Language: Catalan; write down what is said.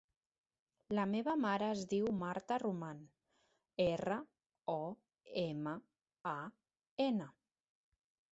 La meva mare es diu Marta Roman: erra, o, ema, a, ena.